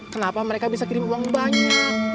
kenapa mereka bisa kirim uang banyak